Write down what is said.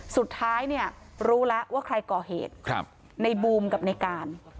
สุดท้ายเนี่ยรู้แล้วว่าใครก่อเหตุในบูมกับในการ